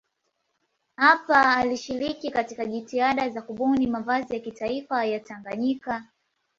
Hapa alishiriki katika jitihada za kubuni mavazi ya kitaifa ya Tanganyika.